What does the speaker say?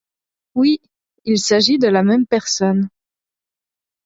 Oui, il s’agit de la même personne.